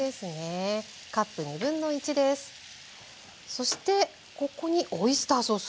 そしてここにオイスターソース。